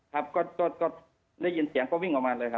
ครับก็ได้ยินเสียงก็วิ่งออกมาเลยครับ